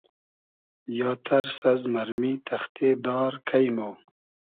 یا تئرس از مئرمی تئختې دار کݷ مۉ